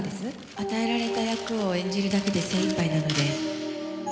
「与えられた役を演じるだけで精一杯なので」